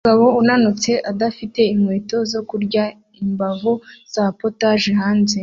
Umugabo unanutse udafite inkweto zo kurya imbavu za POTAGE hanze